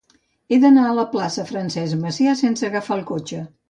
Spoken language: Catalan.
He d'anar a la plaça de Francesc Macià sense agafar el cotxe.